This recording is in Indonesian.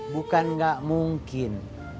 bukan enggak mungkin